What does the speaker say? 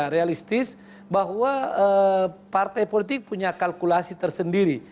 realistis bahwa partai politik punya kalkulasi tersendiri